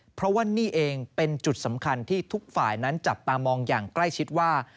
เพราะว่านี่เองเป็นจุดสำคัญที่ทุกฝ่ายนั้นจับตามองอย่างใกล้ชิดว่า